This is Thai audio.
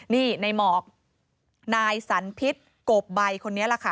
นี่ในหมอกนายสันพิษโกบใบคนนี้แหละค่ะ